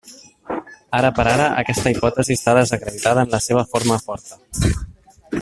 Ara per ara, aquesta hipòtesi està desacreditada en la seva forma forta.